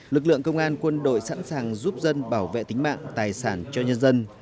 lực lượng công an quân đội sẵn sàng giúp dân bảo vệ tính mạng tài sản cho nhân dân